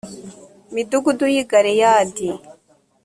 midugudu y i galeyadi